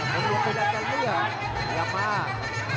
ขนหลวงก็ยังจะเลือกพยายามมาก